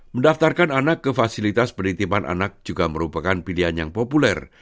mendaftarkan anak ke fasilitas penitipan anak juga merupakan pilihan yang populer